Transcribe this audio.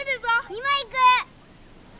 今行く！